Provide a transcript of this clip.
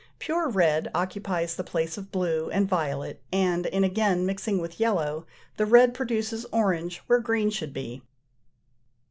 Pure red occupies the place of blue and violet, and in again mixing with yellow the red produces orange where green should be.